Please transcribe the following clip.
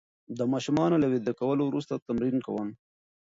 د ماشومانو له ویده کولو وروسته تمرین کوم.